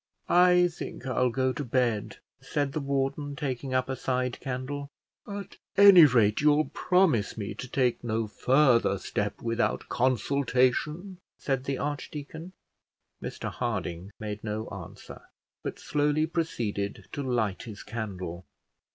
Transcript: "I think I'll go to bed," said the warden, taking up a side candle. "At any rate, you'll promise me to take no further step without consultation," said the archdeacon. Mr Harding made no answer, but slowly proceeded to light his candle.